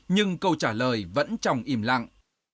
nhưng câu trả lời vẫn trong im lặng